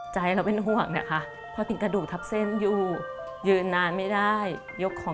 แต่เพื่อลูกลูกไม่มีนมกิน